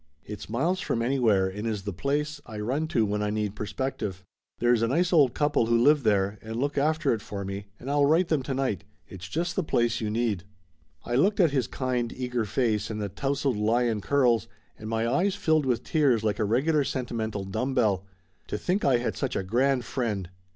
It's miles from anywhere, and is the place I run to when I need perspective. There is a nice old couple who live there and look after it for me, and I'll write them to night. It's just the place you need." I looked at his kind eager face and the tousled lion curls, and my eyes filled with tears like a regular senti mental dumb bell. To think I had such a grand friend